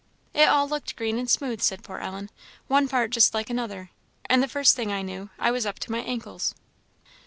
"It all looked green and smooth," said poor Ellen "one part just like another and the first thing I knew, I was up to my ankles."